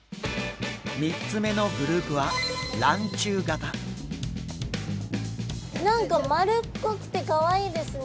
３つ目のグループは何か丸っこくてかわいいですね。